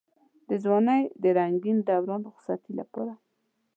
د ځوانۍ د رنګين دوران رخصتۍ لپاره.